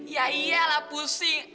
ya iyalah pusing